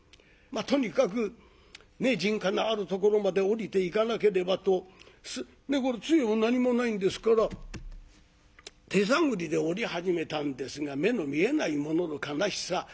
とにかくねっ人家のあるところまで下りていかなければと杖も何もないんですから手探りで下り始めたんですが目の見えない者の悲しさ。